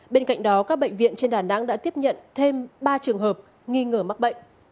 bên cạnh đó các bệnh viện trên đà nẵng đã tiếp nhận thêm ba trường hợp nghi ngờ mắc bệnh